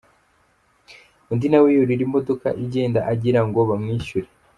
Undi nawe yurira imodoka igenda agirango bamwishyure.